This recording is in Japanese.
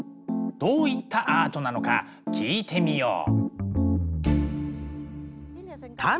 どういったアートなのか聞いてみよう。